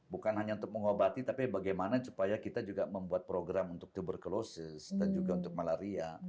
bukan hanya untuk mengobati tapi bagaimana supaya kita juga membuat program untuk tuberculosis dan juga untuk malaria